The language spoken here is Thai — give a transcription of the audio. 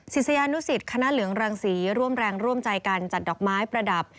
ศิษยานุสิตคณะเหลืองรังศรีร่วมแรงร่วมใจกันจัดดอกไม้ประดับ